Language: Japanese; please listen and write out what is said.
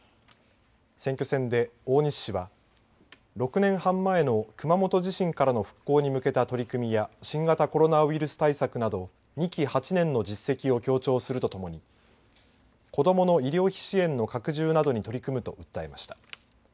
選挙戦で大西氏は６年半前の熊本地震からの復興に向けた取り組みや新型コロナウイルス対策など２期８年の実績を強調するとともに子どもの医療費支援の拡充などに取り組むと訴えました。